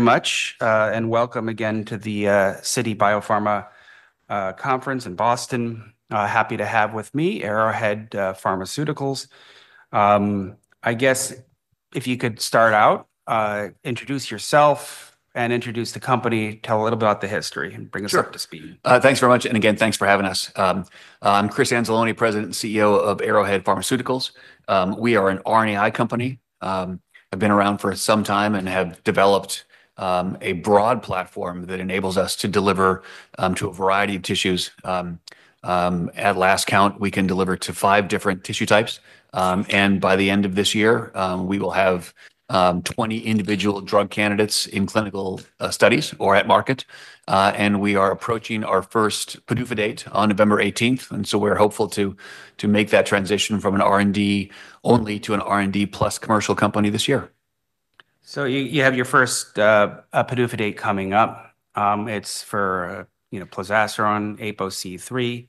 Thank you very much, and welcome again to the Citi BioPharma Conference in Boston. Happy to have with me Arrowhead Pharmaceuticals. I guess if you could start out, introduce yourself and introduce the company, tell a little about the history, and bring us up to speed. Thanks very much. And again, thanks for having us. I'm Chris Anzalone, President and CEO of Arrowhead Pharmaceuticals. We are an RNAi company. I've been around for some time and have developed a broad platform that enables us to deliver to a variety of tissues. At last count, we can deliver to five different tissue types. And by the end of this year, we will have 20 individual drug candidates in clinical studies or at market. And we are approaching our first PDUFA date on November 18th. And so we're hopeful to make that transition from an R&D only to an R&D plus commercial company this year. So you have your first PDUFA date coming up. It's for Plozasiran APOC3.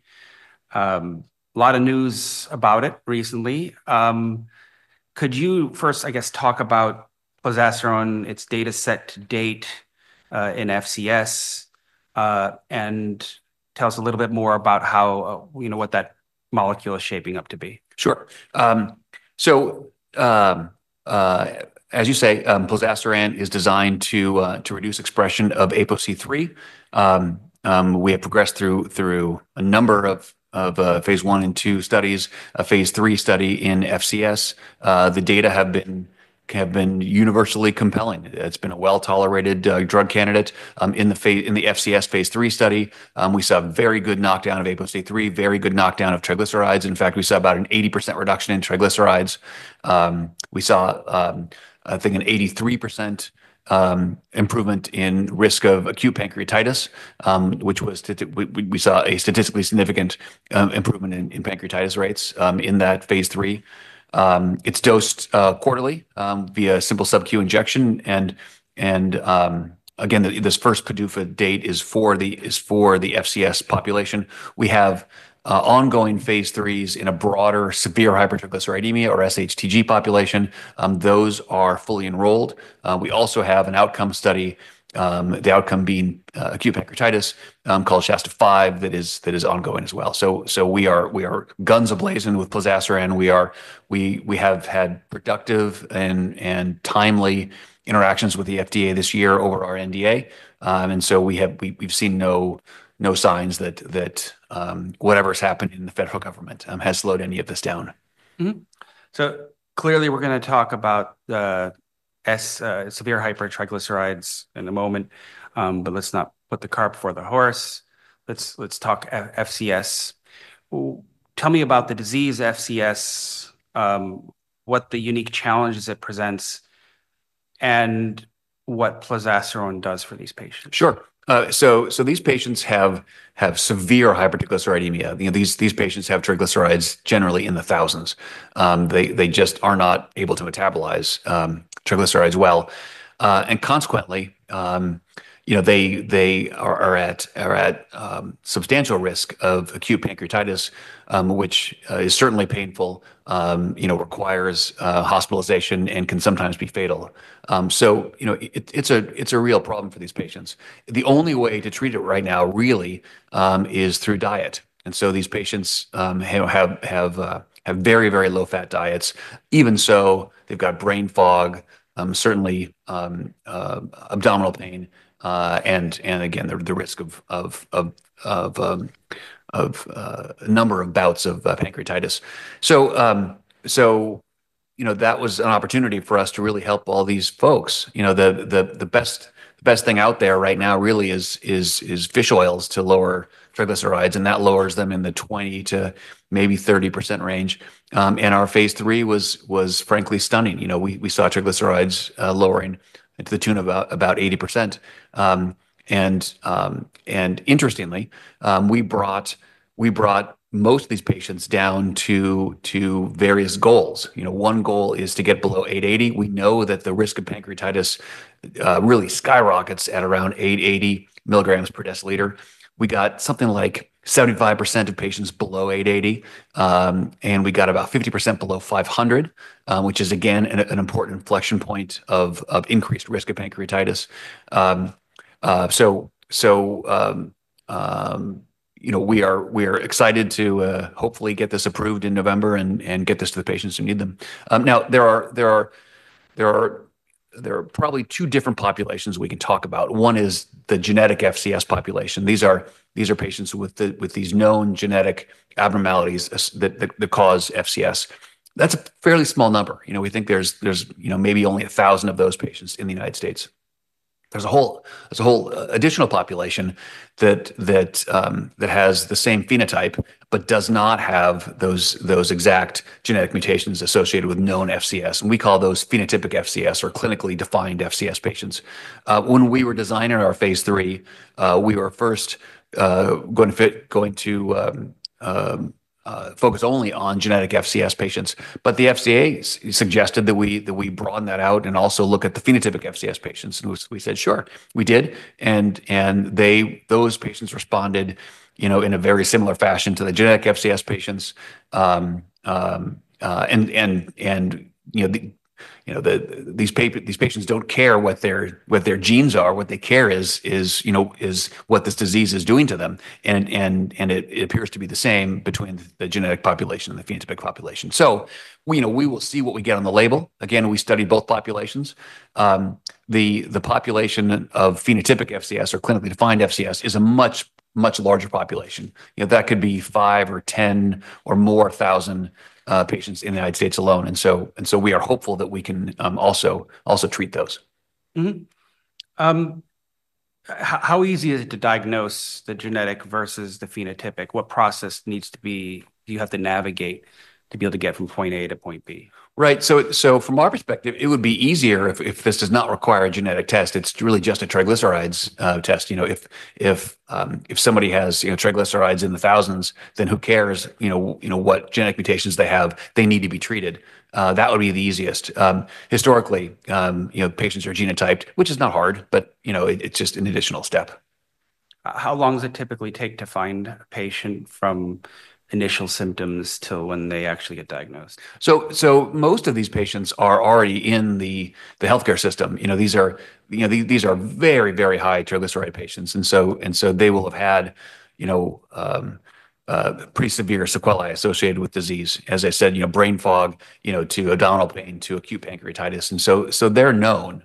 A lot of news about it recently. Could you first, I guess, talk about Plozasiran, its data set to date in FCS, and tell us a little bit more about what that molecule is shaping up to be? Sure. So as you say, Plozasiran is designed to reduce expression of APOC3. We have progressed through a number of phase I and phase II studies, a phase III study in FCS. The data have been universally compelling. It's been a well-tolerated drug candidate. In the FCS phase III study, we saw a very good knockdown of APOC3, very good knockdown of triglycerides. In fact, we saw about an 80% reduction in triglycerides. We saw, I think, an 83% improvement in risk of acute pancreatitis, which was, we saw a statistically significant improvement in pancreatitis rates in that phase III. It's dosed quarterly via simple subcu injection, and again, this first PDUFA date is for the FCS population. We have ongoing phase IIIs in a broader severe hypertriglyceridemia or SHTG population. Those are fully enrolled. We also have an outcome study, the outcome being acute pancreatitis, called SHASTA-5, that is ongoing as well. So we are guns ablazing with Plozasiran. We have had productive and timely interactions with the FDA this year over our NDA, and so we've seen no signs that whatever's happening in the federal government has slowed any of this down. So clearly, we're going to talk about severe hypertriglycerides in a moment, but let's not put the cart before the horse. Let's talk FCS. Tell me about the disease FCS, what the unique challenges it presents, and what Plozasiran does for these patients. Sure. So these patients have severe hypertriglyceridemia. These patients have triglycerides generally in the thousands. They just are not able to metabolize triglycerides well. And consequently, they are at substantial risk of acute pancreatitis, which is certainly painful, requires hospitalization, and can sometimes be fatal. So it's a real problem for these patients. The only way to treat it right now really is through diet. And so these patients have very, very low-fat diets. Even so, they've got brain fog, certainly abdominal pain, and again, the risk of a number of bouts of pancreatitis. So that was an opportunity for us to really help all these folks. The best thing out there right now really is fish oils to lower triglycerides, and that lowers them in the 20% to maybe 30% range. And our phase III was frankly stunning. We saw triglycerides lowering to the tune of about 80%. Interestingly, we brought most of these patients down to various goals. One goal is to get below 880. We know that the risk of pancreatitis really skyrockets at around 880 mg per dL. We got something like 75% of patients below 880, and we got about 50% below 500, which is, again, an important inflection point of increased risk of pancreatitis. So we are excited to hopefully get this approved in November and get this to the patients who need them. Now, there are probably two different populations we can talk about. One is the genetic FCS population. These are patients with these known genetic abnormalities that cause FCS. That's a fairly small number. We think there's maybe only a thousand of those patients in the United States. There's a whole additional population that has the same phenotype but does not have those exact genetic mutations associated with known FCS. And we call those phenotypic FCS or clinically defined FCS patients. When we were designing our phase III, we were first going to focus only on genetic FCS patients. But the FDA suggested that we broaden that out and also look at the phenotypic FCS patients. And we said, "Sure." We did. And those patients responded in a very similar fashion to the genetic FCS patients. And these patients don't care what their genes are. What they care is what this disease is doing to them. And it appears to be the same between the genetic population and the phenotypic population. So we will see what we get on the label. Again, we studied both populations. The population of phenotypic FCS or clinically defined FCS is a much, much larger population. That could be five or ten or more thousand patients in the United States alone, and so we are hopeful that we can also treat those. How easy is it to diagnose the genetic versus the phenotypic? What process do you have to navigate to be able to get from point A to point B? Right, so from our perspective, it would be easier if this does not require a genetic test. It's really just a triglycerides test. If somebody has triglycerides in the thousands, then who cares what genetic mutations they have, they need to be treated. That would be the easiest. Historically, patients are genotyped, which is not hard, but it's just an additional step. How long does it typically take to find a patient from initial symptoms to when they actually get diagnosed? Most of these patients are already in the healthcare system. These are very, very high triglyceride patients. They will have had pretty severe sequelae associated with disease. As I said, brain fog to abdominal pain to acute pancreatitis. They're known.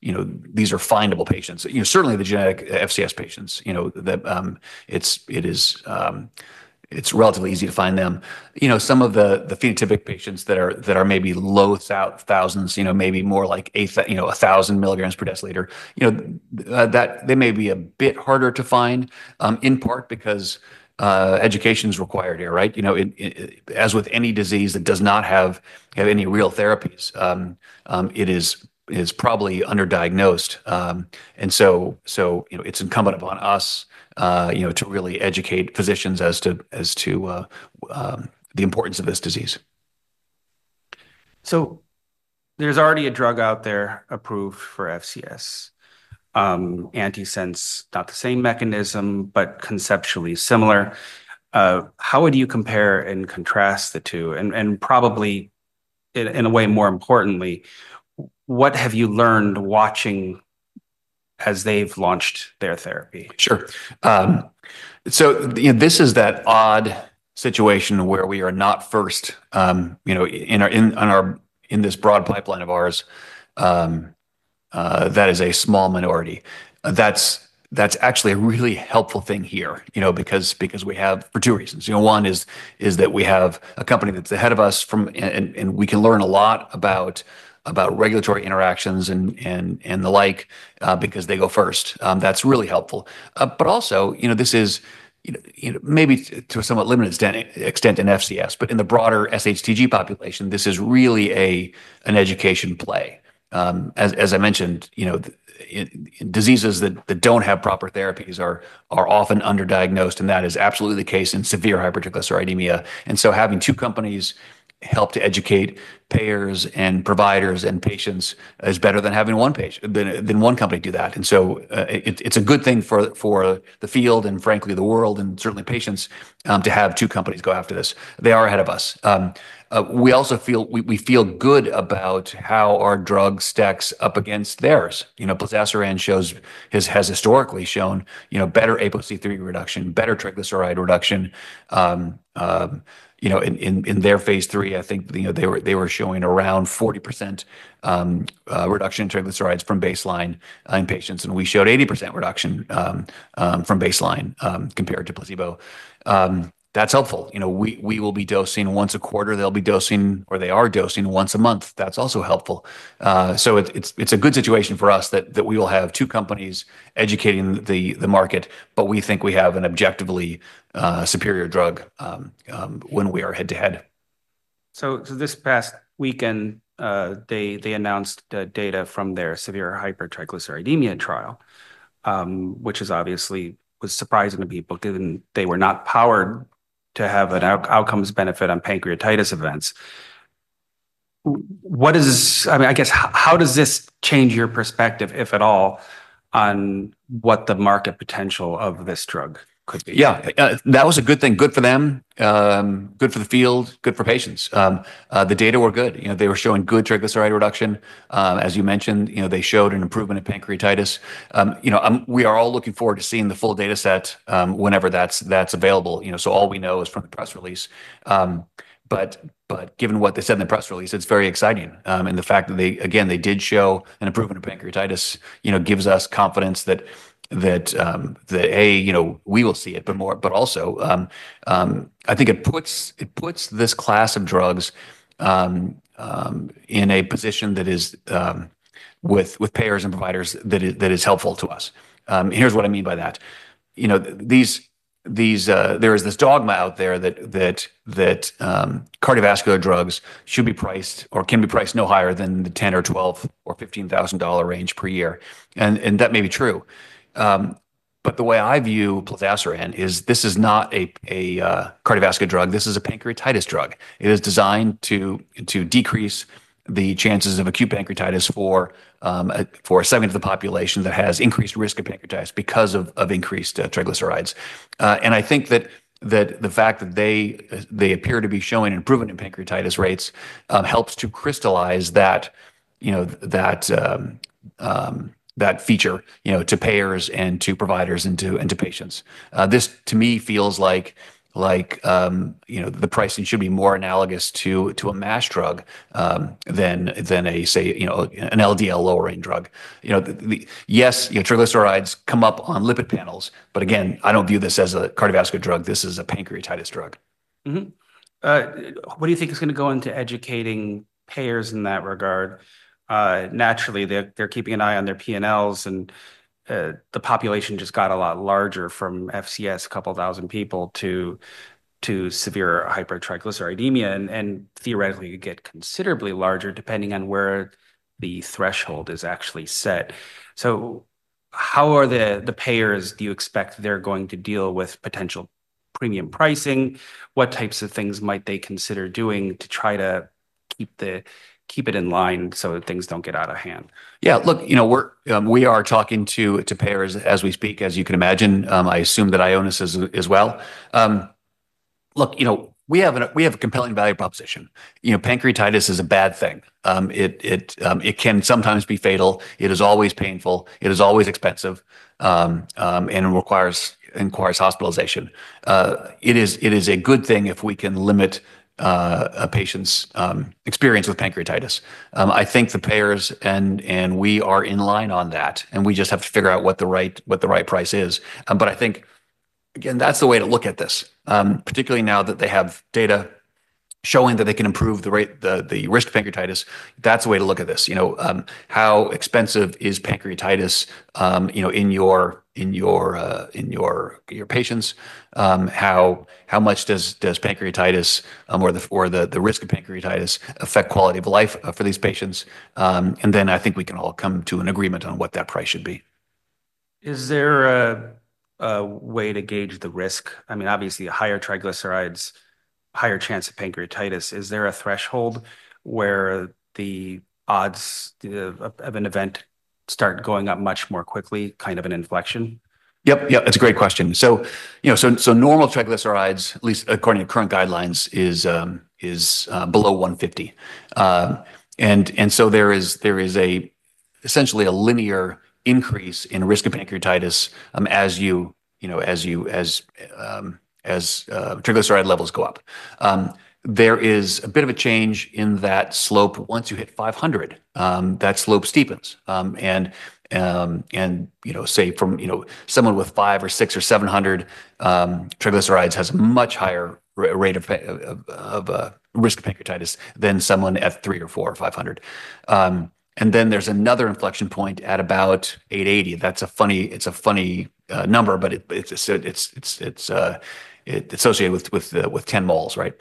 These are findable patients. Certainly the genetic FCS patients, it's relatively easy to find them. Some of the phenotypic patients that are maybe low thousands, maybe more like a 1000 mg/dL, they may be a bit harder to find in part because education is required here. As with any disease that does not have any real therapies, it is probably underdiagnosed. It's incumbent upon us to really educate physicians as to the importance of this disease. So there's already a drug out there approved for FCS, an antisense, not the same mechanism, but conceptually similar. How would you compare and contrast the two? And probably, in a way, more importantly, what have you learned watching as they've launched their therapy? Sure. So this is that odd situation where we are not first in this broad pipeline of ours that is a small minority. That's actually a really helpful thing here because we have for two reasons. One is that we have a company that's ahead of us, and we can learn a lot about regulatory interactions and the like because they go first. That's really helpful. But also, this is maybe to a somewhat limited extent in FCS, but in the broader SHTG population, this is really an education play. As I mentioned, diseases that don't have proper therapies are often underdiagnosed, and that is absolutely the case in severe hypertriglyceridemia. And so having two companies help to educate payers and providers and patients is better than having one company do that. And so it's a good thing for the field and frankly the world and certainly patients to have two companies go after this. They are ahead of us. We feel good about how our drug stacks up against theirs. Plozasiran has historically shown better APOC3 reduction, better triglyceride reduction. In their phase three, I think they were showing around 40% reduction in triglycerides from baseline in patients. And we showed 80% reduction from baseline compared to placebo. That's helpful. We will be dosing once a quarter. They'll be dosing, or they are dosing once a month. That's also helpful. So it's a good situation for us that we will have two companies educating the market, but we think we have an objectively superior drug when we are head-to-head. So this past weekend, they announced data from their severe hypertriglyceridemia trial, which obviously was surprising to people, given they were not powered to have an outcomes benefit on pancreatitis events. I guess, how does this change your perspective, if at all, on what the market potential of this drug could be? Yeah. That was a good thing. Good for them, good for the field, good for patients. The data were good. They were showing good triglyceride reduction. As you mentioned, they showed an improvement in pancreatitis. We are all looking forward to seeing the full data set whenever that's available. So all we know is from the press release. But given what they said in the press release, it's very exciting. And the fact that, again, they did show an improvement in pancreatitis gives us confidence that, we will see it, but also I think it puts this class of drugs in a position that is, with payers and providers, that is helpful to us. Here's what I mean by that. There is this dogma out there that cardiovascular drugs should be priced or can be priced no higher than the $10,000 or $12,000 or $15,000 range per year. And that may be true. But the way I view Plozasiran is this is not a cardiovascular drug. This is a pancreatitis drug. It is designed to decrease the chances of acute pancreatitis for a segment of the population that has increased risk of pancreatitis because of increased triglycerides. And I think that the fact that they appear to be showing an improvement in pancreatitis rates helps to crystallize that feature to payers and to providers and to patients. This, to me, feels like the pricing should be more analogous to a MASH drug than an LDL lowering drug. Yes, triglycerides come up on lipid panels, but again, I don't view this as a cardiovascular drug. This is a pancreatitis drug. What do you think is going to go into educating payers in that regard? Naturally, they're keeping an eye on their P&Ls, and the population just got a lot larger from FCS, a couple thousand people, to severe hypertriglyceridemia, and theoretically, you get considerably larger depending on where the threshold is actually set, so how are the payers? Do you expect they're going to deal with potential premium pricing? What types of things might they consider doing to try to keep it in line so things don't get out of hand? Yeah. Look, we are talking to payers as we speak, as you can imagine. I assume that I own this as well. Look, we have a compelling value proposition. Pancreatitis is a bad thing. It can sometimes be fatal. It is always painful. It is always expensive and requires hospitalization. It is a good thing if we can limit a patient's experience with pancreatitis. I think the payers and we are in line on that, and we just have to figure out what the right price is. But I think, again, that's the way to look at this, particularly now that they have data showing that they can improve the risk of pancreatitis. That's the way to look at this. How expensive is pancreatitis in your patients? How much does pancreatitis or the risk of pancreatitis affect quality of life for these patients? And then I think we can all come to an agreement on what that price should be. Is there a way to gauge the risk? I mean, obviously, higher triglycerides, higher chance of pancreatitis. Is there a threshold where the odds of an event start going up much more quickly, kind of an inflection? Yep. Yep. That's a great question. So normal triglycerides, at least according to current guidelines, is below 150. And so there is essentially a linear increase in risk of pancreatitis as triglyceride levels go up. There is a bit of a change in that slope. Once you hit 500, that slope steepens. And say someone with 500 or 600 or 700 triglycerides has a much higher rate of risk of pancreatitis than someone at 300 or 400 or 500. And then there's another inflection point at about 880. It's a funny number, but it's associated with 10 mmols, right?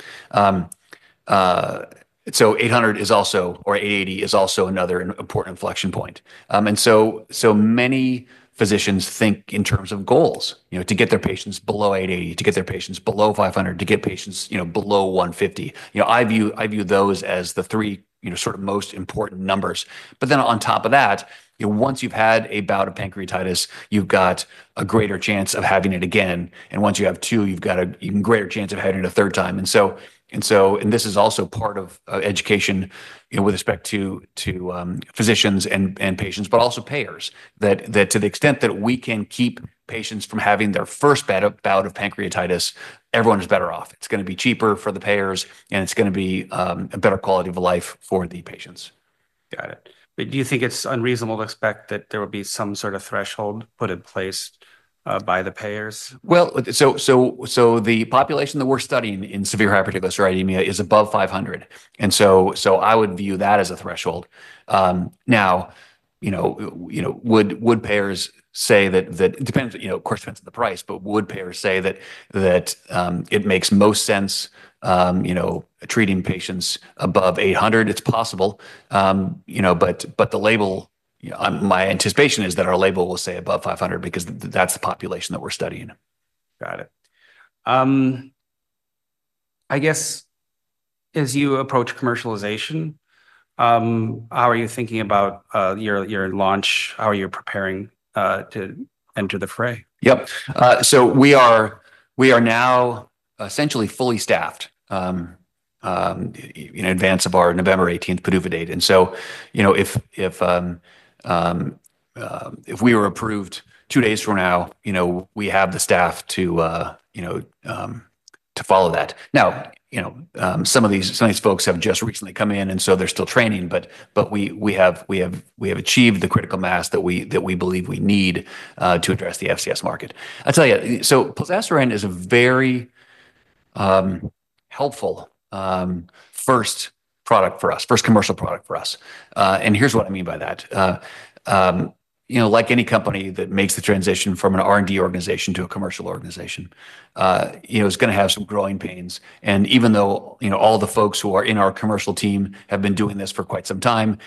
So 800 is also, or 880 is also another important inflection point. And so many physicians think in terms of goals to get their patients below 880, to get their patients below 500, to get patients below 150. I view those as the three sort of most important numbers. But then on top of that, once you've had a bout of pancreatitis, you've got a greater chance of having it again. And once you have two, you've got a greater chance of having it a third time. And this is also part of education with respect to physicians and patients, but also payers. That to the extent that we can keep patients from having their first bout of pancreatitis, everyone is better off. It's going to be cheaper for the payers, and it's going to be a better quality of life for the patients. Got it. But do you think it's unreasonable to expect that there will be some sort of threshold put in place by the payers? Well, so the population that we're studying in severe hypertriglyceridemia is above 500. And so I would view that as a threshold. Now, would payers say that it depends, of course, depends on the price, but would payers say that it makes most sense treating patients above 800? It's possible. But my anticipation is that our label will say above 500 because that's the population that we're studying. Got it. I guess, as you approach commercialization, how are you thinking about your launch? How are you preparing to enter the fray? Yep. So we are now essentially fully staffed in advance of our November 18th PDUFA date. If we were approved two days from now, we have the staff to follow that. Now, some of these folks have just recently come in, and so they're still training, but we have achieved the critical mass that we believe we need to address the FCS market. I'll tell you, so Plozasiran is a very helpful first product for us, first commercial product for us. Here's what I mean by that. Like any company that makes the transition from an R&D organization to a commercial organization, it's going to have some growing pains. Even though all the folks who are in our commercial team have been doing this for quite some time,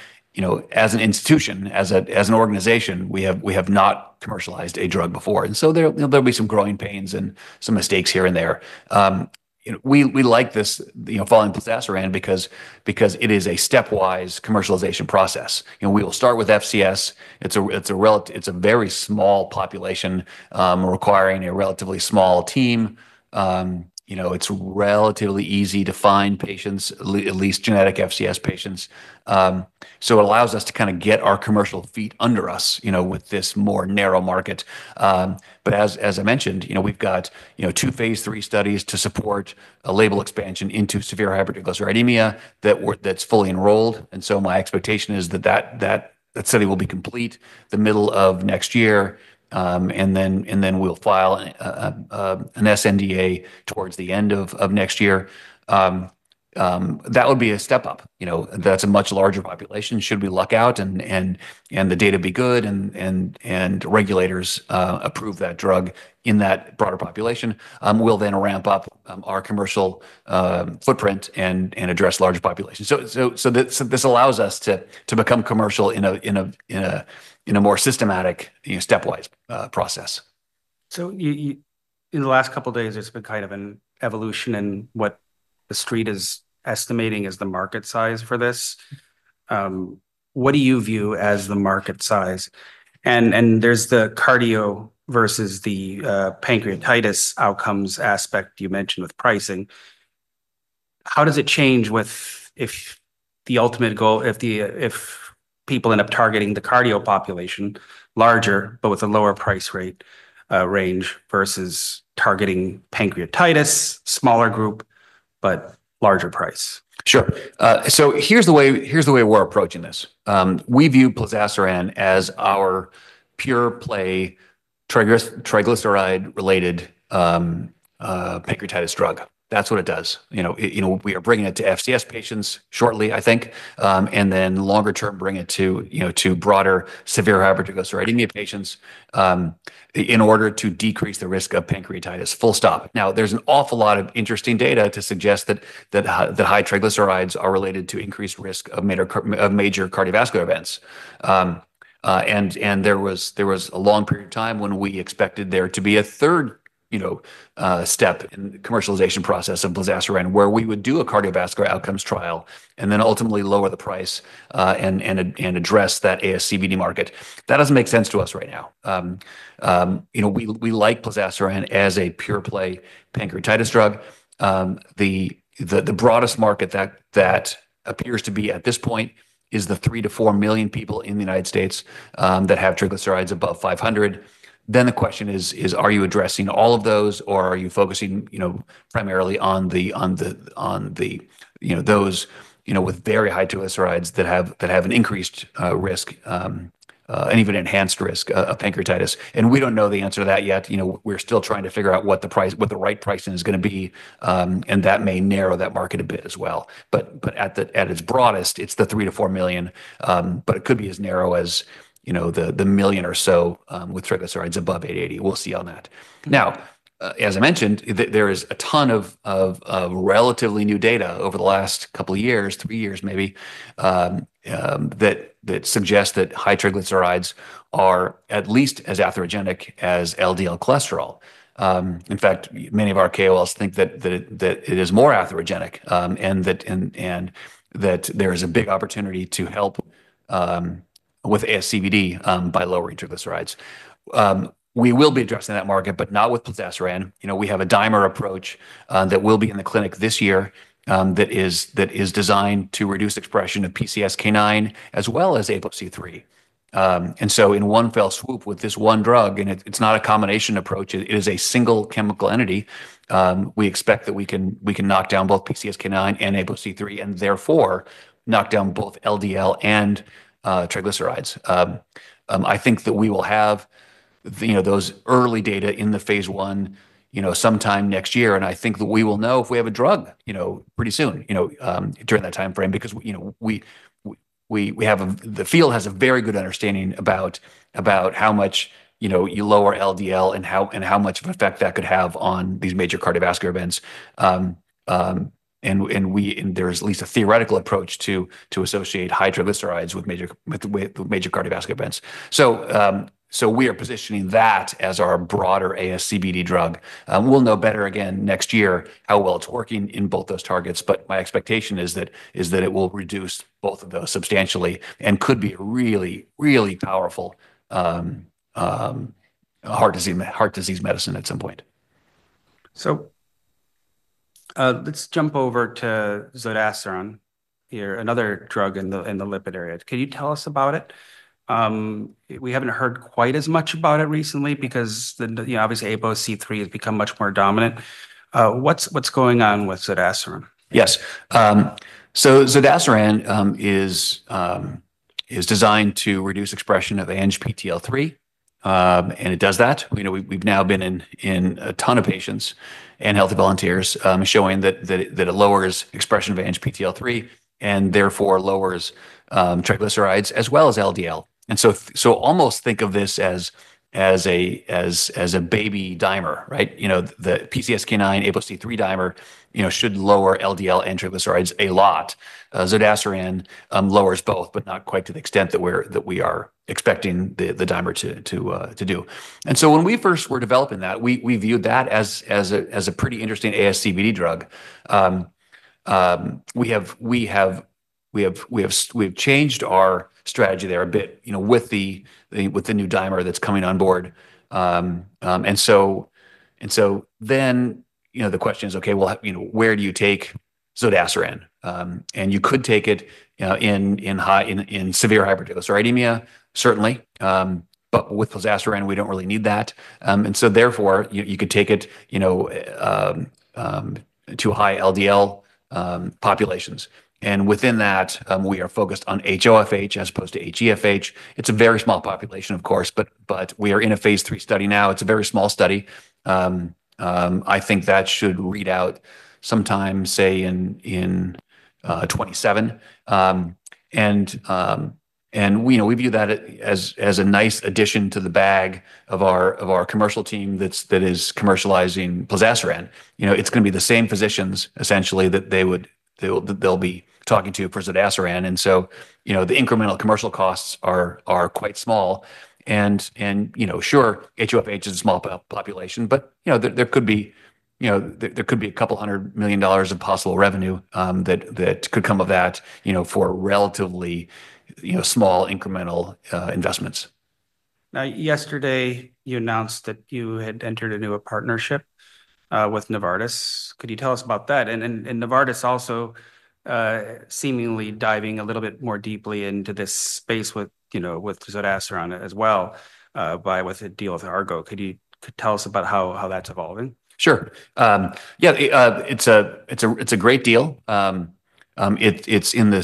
as an institution, as an organization, we have not commercialized a drug before. And so there'll be some growing pains and some mistakes here and there. We like this following Plozasiran because it is a stepwise commercialization process. We will start with FCS. It's a very small population requiring a relatively small team. It's relatively easy to find patients, at least genetic FCS patients. So it allows us to kind of get our commercial feet under us with this more narrow market. But as I mentioned, we've got two phase III studies to support a label expansion into severe hypertriglyceridemia that's fully enrolled. And so my expectation is that that study will be complete the middle of next year, and then we'll file an sNDA towards the end of next year. That would be a step up. That's a much larger population. Should we luck out and the data be good and regulators approve that drug in that broader population, we'll then ramp up our commercial footprint and address large populations. So this allows us to become commercial in a more systematic, stepwise process. So in the last couple of days, it's been kind of an evolution in what the street is estimating as the market size for this. What do you view as the market size? And there's the cardio versus the pancreatitis outcomes aspect you mentioned with pricing. How does it change if the ultimate goal, if people end up targeting the cardio population larger, but with a lower price rate range versus targeting pancreatitis, smaller group, but larger price? Sure. So here's the way we're approaching this. We view Plozasiran as our pure play triglyceride-related pancreatitis drug. That's what it does. We are bringing it to FCS patients shortly, I think, and then longer term bring it to broader severe hypertriglyceridemia patients in order to decrease the risk of pancreatitis. Full stop. Now, there's an awful lot of interesting data to suggest that high triglycerides are related to increased risk of major cardiovascular events. And there was a long period of time when we expected there to be a third step in the commercialization process of Plozasiran where we would do a cardiovascular outcomes trial and then ultimately lower the price and address that ASCVD market. That doesn't make sense to us right now. We like Plozasiran as a pure play pancreatitis drug. The broadest market that appears to be at this point is the three to four million people in the United States that have triglycerides above 500. Then the question is, are you addressing all of those, or are you focusing primarily on those with very high triglycerides that have an increased risk and even enhanced risk of pancreatitis? And we don't know the answer to that yet. We're still trying to figure out what the right pricing is going to be, and that may narrow that market a bit as well. But at its broadest, it's the three million- four million, but it could be as narrow as the million or so with triglycerides above 880. We'll see on that. Now, as I mentioned, there is a ton of relatively new data over the last couple of years, three years maybe, that suggests that high triglycerides are at least as atherogenic as LDL cholesterol. In fact, many of our KOLs think that it is more atherogenic and that there is a big opportunity to help with ASCVD by lowering triglycerides. We will be addressing that market, but not with Plozasiran. We have a dimer approach that will be in the clinic this year that is designed to reduce expression of PCSK9 as well as APOC3. And so in one fell swoop with this one drug, and it's not a combination approach. It is a single chemical entity. We expect that we can knock down both PCSK9 and APOC3 and therefore knock down both LDL and triglycerides. I think that we will have those early data in the phase I sometime next year, and I think that we will know if we have a drug pretty soon during that timeframe because the field has a very good understanding about how much you lower LDL and how much of an effect that could have on these major cardiovascular events, and there is at least a theoretical approach to associate high triglycerides with major cardiovascular events, so we are positioning that as our broader ASCVD drug. We'll know better again next year how well it's working in both those targets, but my expectation is that it will reduce both of those substantially and could be a really, really powerful heart disease medicine at some point. Let's jump over to Zodasiran here, another drug in the lipid area. Can you tell us about it? We haven't heard quite as much about it recently because obviously APOC3 has become much more dominant. What's going on with Zodasiran? Yes. So Zodasiran is designed to reduce expression of ANGPTL3, and it does that. We've now been in a ton of patients and healthy volunteers showing that it lowers expression of ANGPTL3 and therefore lowers triglycerides as well as LDL. And so almost think of this as a baby dimer, right? The PCSK9, APOC3 dimer should lower LDL and triglycerides a lot. Zodasiran lowers both, but not quite to the extent that we are expecting the dimer to do. And so when we first were developing that, we viewed that as a pretty interesting ASCVD drug. We have changed our strategy there a bit with the new dimer that's coming on board. And so then the question is, okay, where do you take Zodasiran? And you could take it in severe hypertriglyceridemia, certainly, but with Plozasiran, we don't really need that. And so therefore, you could take it to high LDL populations. And within that, we are focused on HoFH as opposed to HeFH. It's a very small population, of course, but we are in a phase three study now. It's a very small study. I think that should read out sometime, say, in 2027. And we view that as a nice addition to the bag of our commercial team that is commercializing Plozasiran. It's going to be the same physicians essentially that they'll be talking to for Zodasiran. And so the incremental commercial costs are quite small. And sure, HoFH is a small population, but there could be $200 million of possible revenue that could come of that for relatively small incremental investments. Now, yesterday, you announced that you had entered a new partnership with Novartis. Could you tell us about that? And Novartis also seemingly diving a little bit more deeply into this space with Zodasiran as well by a deal with Argo. Could you tell us about how that's evolving? Sure. Yeah, it's a great deal. It's in the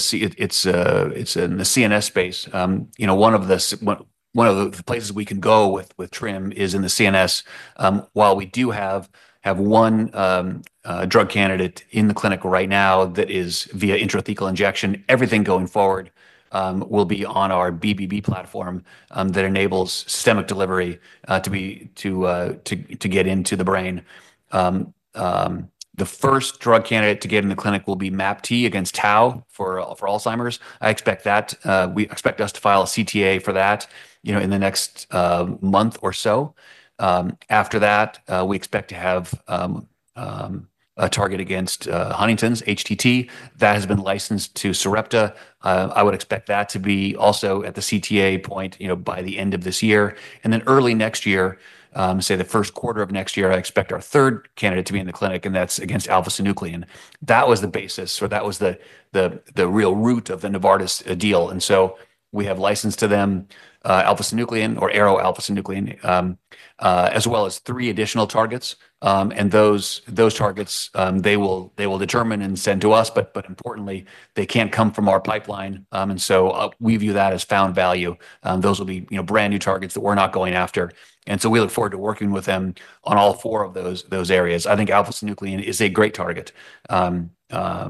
CNS space. One of the places we can go with TRiM is in the CNS. While we do have one drug candidate in the clinic right now that is via intrathecal injection, everything going forward will be on our BBB platform that enables systemic delivery to get into the brain. The first drug candidate to get in the clinic will be MAPT against Tau for Alzheimer's. I expect us to file a CTA for that in the next month or so. After that, we expect to have a target against Huntington's, HTT. That has been licensed to Sarepta. I would expect that to be also at the CTA point by the end of this year. And then early next year, say the first quarter of next year, I expect our third candidate to be in the clinic, and that's against alpha-synuclein. That was the basis, or that was the real root of the Novartis deal. And so we have licensed to them alpha-synuclein or ARO-alpha-synuclein, as well as three additional targets. And those targets, they will determine and send to us, but importantly, they can't come from our pipeline. And so we view that as found value. Those will be brand new targets that we're not going after. And so we look forward to working with them on all four of those areas. I think alpha-synuclein is a great target, and I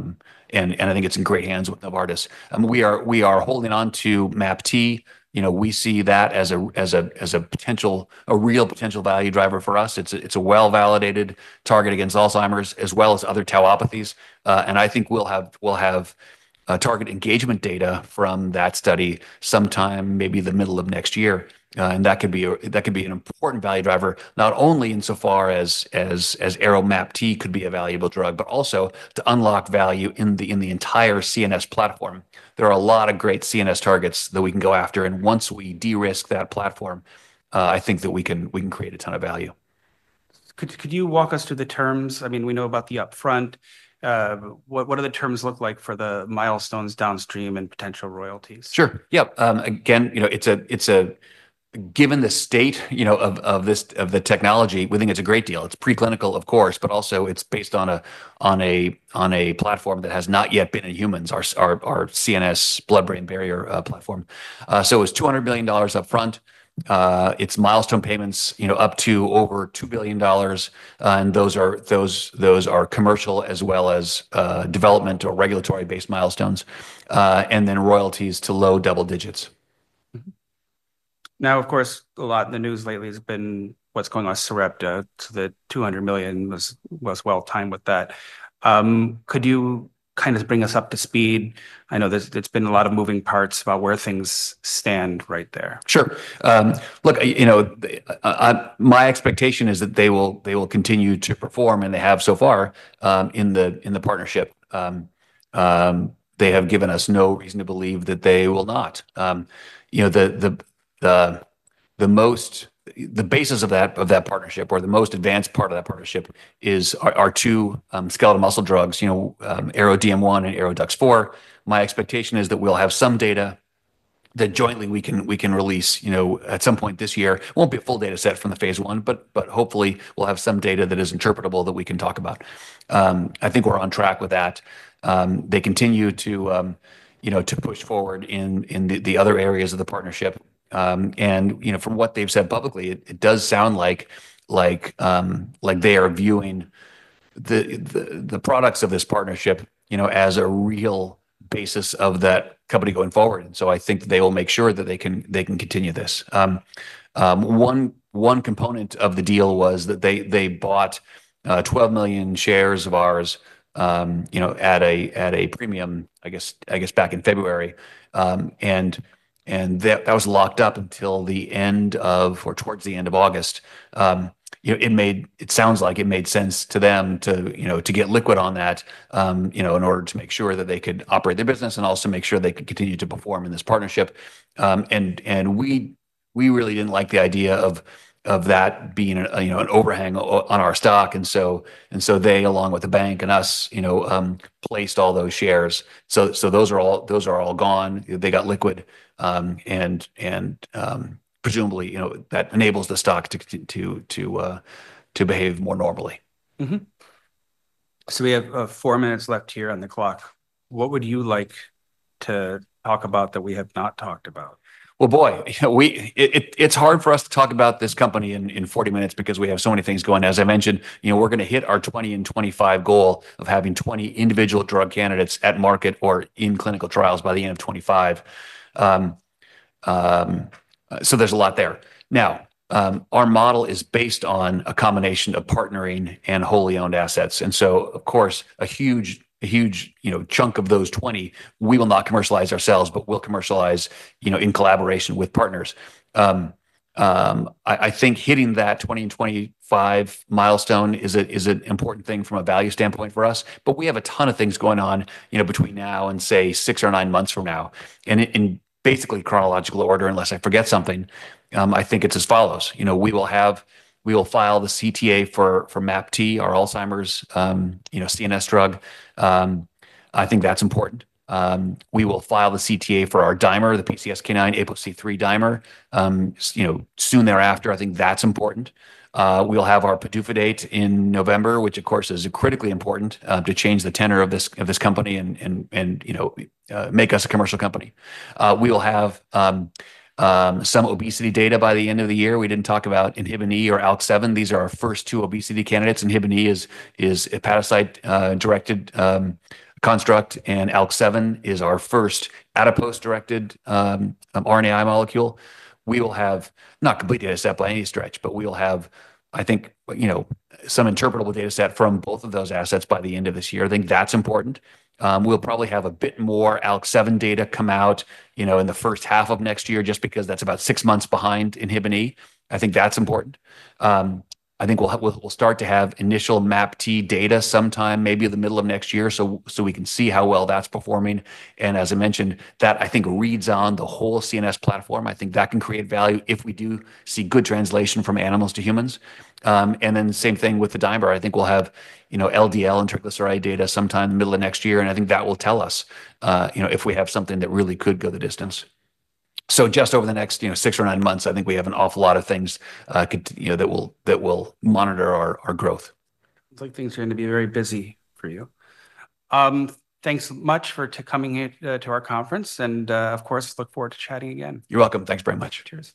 think it's in great hands with Novartis. We are holding on to MAPT. We see that as a real potential value driver for us. It's a well-validated target against Alzheimer's as well as other tauopathies. And I think we'll have target engagement data from that study sometime, maybe the middle of next year. And that could be an important value driver, not only insofar as ARO-MAPT could be a valuable drug, but also to unlock value in the entire CNS platform. There are a lot of great CNS targets that we can go after. And once we de-risk that platform, I think that we can create a ton of value. Could you walk us through the terms? I mean, we know about the upfront. What do the terms look like for the milestones downstream and potential royalties? Sure. Yep. Again, given the state of the technology, we think it's a great deal. It's preclinical, of course, but also it's based on a platform that has not yet been in humans, our CNS blood-brain barrier platform. So it's $200 million upfront. It's milestone payments up to over $2 billion, and those are commercial as well as development or regulatory-based milestones, and then royalties to low double digits. Now, of course, a lot in the news lately has been what's going on with Sarepta, so the $200 million was well-timed with that. Could you kind of bring us up to speed? I know there's been a lot of moving parts about where things stand right there. Sure. Look, my expectation is that they will continue to perform, and they have so far in the partnership. They have given us no reason to believe that they will not. The basis of that partnership, or the most advanced part of that partnership, are two skeletal muscle drugs, ARO-DM1 and ARO-DUX4. My expectation is that we'll have some data that jointly we can release at some point this year. It won't be a full data set from the phase one, but hopefully we'll have some data that is interpretable that we can talk about. I think we're on track with that. They continue to push forward in the other areas of the partnership, and from what they've said publicly, it does sound like they are viewing the products of this partnership as a real basis of that company going forward. And so I think they will make sure that they can continue this. One component of the deal was that they bought 12 million shares of ours at a premium, I guess, back in February. And that was locked up until the end of or towards the end of August. It sounds like it made sense to them to get liquid on that in order to make sure that they could operate their business and also make sure they could continue to perform in this partnership. And we really didn't like the idea of that being an overhang on our stock. And so they, along with the bank and us, placed all those shares. So those are all gone. They got liquid. And presumably, that enables the stock to behave more normally. So we have four minutes left here on the clock. What would you like to talk about that we have not talked about? Boy, it's hard for us to talk about this company in 40 minutes because we have so many things going. As I mentioned, we're going to hit our 20 in 2025 goal of having 20 individual drug candidates at market or in clinical trials by the end of 2025. So there's a lot there. Now, our model is based on a combination of partnering and wholly owned assets, and so, of course, a huge chunk of those 20, we will not commercialize ourselves, but we'll commercialize in collaboration with partners. I think hitting that 20 in 2025 milestone is an important thing from a value standpoint for us, but we have a ton of things going on between now and, say, six or nine months from now, and basically chronological order, unless I forget something, I think it's as follows. We will file the CTA for ARO-MAPT, our Alzheimer's CNS drug. I think that's important. We will file the CTA for our dimer, the PCSK9, APOC3 dimer, soon thereafter. I think that's important. We'll have our PDUFA date in November, which, of course, is critically important to change the tenor of this company and make us a commercial company. We will have some obesity data by the end of the year. We didn't talk about Inhibin E or ALK7. These are our first two obesity candidates. Inhibin E is hepatocyte-directed construct, and ALK7 is our first adipose-directed RNAi molecule. We will have not a complete data set by any stretch, but we will have, I think, some interpretable data set from both of those assets by the end of this year. I think that's important. We'll probably have a bit more ALK7 data come out in the first half of next year just because that's about six months behind Inhibin E. I think that's important. I think we'll start to have initial MAPT data sometime, maybe the middle of next year, so we can see how well that's performing. And as I mentioned, that, I think, reads on the whole CNS platform. I think that can create value if we do see good translation from animals to humans. And then same thing with the dimer. I think we'll have LDL and triglyceride data sometime in the middle of next year, and I think that will tell us if we have something that really could go the distance. So just over the next six or nine months, I think we have an awful lot of things that will monitor our growth. It looks like things are going to be very busy for you. Thanks much for coming to our conference, and of course, look forward to chatting again. You're welcome. Thanks very much. Cheers.